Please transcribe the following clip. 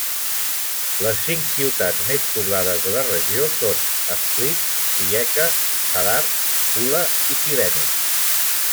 Les cinc ciutats més poblades de la regió són Split, Rijeka, Zadar, Pula i Šibenik.